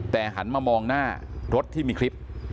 แต่หันมามองหน้ารถที่มีคลิป